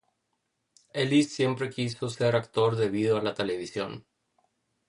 Ellis siempre quiso ser actor debido a la televisión.